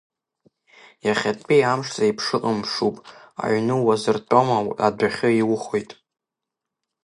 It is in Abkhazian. Иахьатәи амш зеиԥшыҟам мшуп, аҩны уазыртәома, адәахьы иухоит.